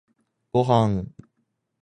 ごはん